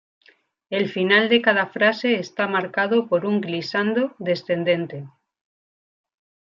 El final de cada frase está marcado por un "glissando" descendente.